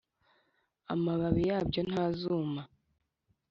Amababi yabyo ntazuma